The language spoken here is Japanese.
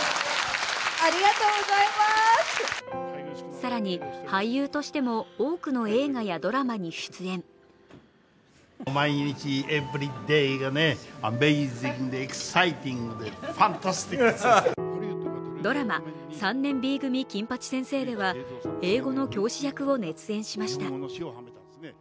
更に俳優としても多くの映画やドラマに出演ドラマ「３年Ｂ組金八先生」では英語の教師役を熱演しました。